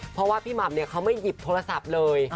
เพราะว่าพี่หม่ำเขาไม่หยิบโทรศัพท์เลย